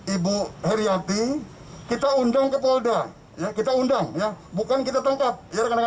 ibu heriati kita undang ke polda ya kita undang ya bukan kita tangkap ya rekan rekan